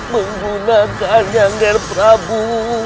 menggunakannya nger prabu